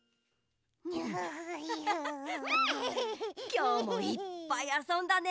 きょうもいっぱいあそんだね。